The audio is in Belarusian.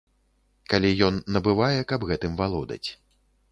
Калі ён набывае, каб гэтым валодаць.